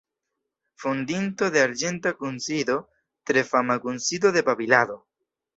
Fondinto de „Arĝenta Kunsido";, tre fama kunsido de babilado.